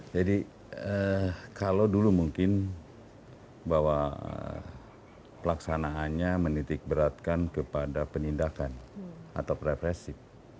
jadi kalau dulu mungkin bahwa pelaksanaannya menitik beratkan kepada penindakan atau perpresip